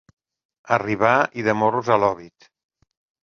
Arribar i de morros a l'òbit.